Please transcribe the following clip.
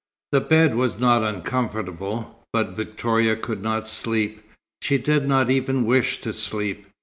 The bed was not uncomfortable, but Victoria could not sleep. She did not even wish to sleep.